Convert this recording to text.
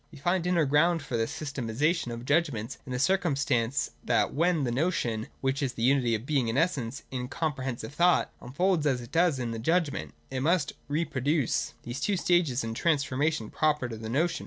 "We find the inner ground for this sys tematisation of judgments in the circumstance that when the Notion, which is the unity of Being and Essence in a com prehensive thought, unfolds, as it does in the judgment, it must reproduce these two stages in a transformation proper to the notion.